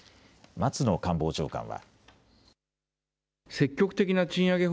松野官房長官は。